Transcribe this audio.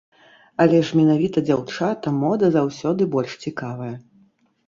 Але ж менавіта дзяўчатам мода заўсёды больш цікавая.